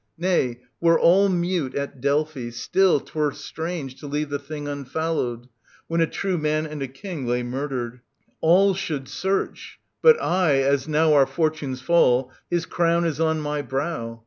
Nay, were all mute At Delphi, still 'twere strange to leave the thing UnfoUowed, when a true man and^ King Lay m;u"dered. All should search. J But I, as now Our fortunes fall — his crown is on my brow.